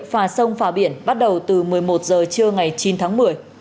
phà sông phà biển bắt đầu từ một mươi một h trưa ngày chín tháng một mươi